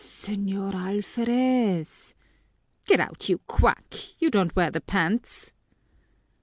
"S señor Alferez!" "Get out, you quack! You don't wear the pants!"